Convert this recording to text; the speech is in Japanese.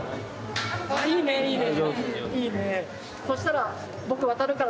いいね、いいね。